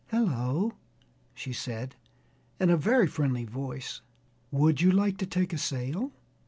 "Hello!" she said, in a very friendly voice: "would you like to take a sail?"